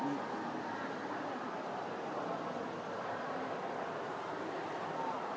เดี๋ยวจะให้ดูว่าค่ายมิซูบิชิเป็นอะไรนะคะ